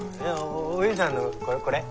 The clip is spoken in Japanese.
おゆうさんのこれ？